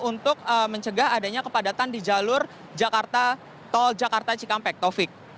untuk mencegah adanya kepadatan di jalur tol jakarta cikampek taufik